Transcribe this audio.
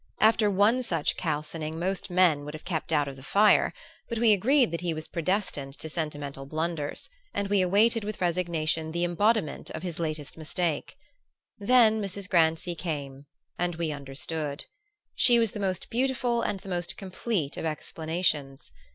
After one such calcining most men would have kept out of the fire; but we agreed that he was predestined to sentimental blunders, and we awaited with resignation the embodiment of his latest mistake. Then Mrs. Grancy came and we understood. She was the most beautiful and the most complete of explanations.